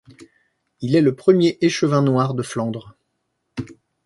Il est le premier échevin noir de Flandre.